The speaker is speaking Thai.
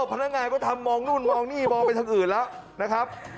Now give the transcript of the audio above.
พนักงานก็ทำมองนู่นมองนี่มองไปทางอื่นแล้วนะครับ